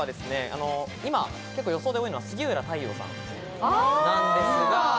今予想で多いのは杉浦太陽さん。